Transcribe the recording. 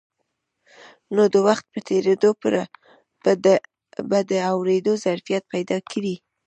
نو د وخت په تېرېدو به د اورېدو ظرفيت پيدا کړي.